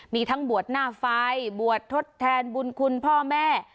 มีทั้งบวชหน้าไฟบวชทดแทนบุญคุณพ่อแม่